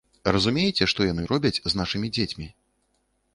Разумееце, што яны робяць з нашымі дзецьмі?